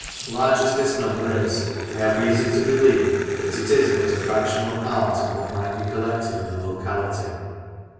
Large as this number is, I have reason to believe that it is but a fractional part of what might be collected in the locality.